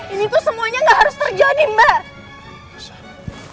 ini tuh semuanya gak harus terjadi mbak